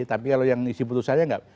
tapi kalau yang isi putusannya nggak